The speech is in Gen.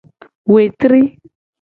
Wetri.